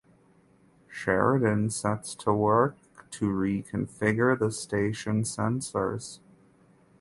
Sheridan sets to work to reconfigure the station sensors.